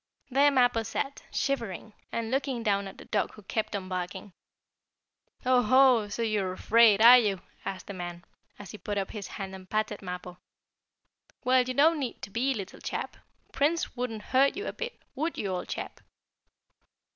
There Mappo sat, shivering, and looking down at the dog who kept on barking. "Oh ho! So you're afraid, are you?" asked the man, as he put up his hand and patted Mappo. "Well, you don't need to be, little chap. Prince wouldn't hurt you a bit, would you, old chap?"